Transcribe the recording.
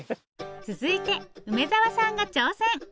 続いて梅沢さんが挑戦。